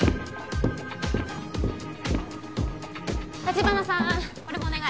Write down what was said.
城華さんこれもお願い。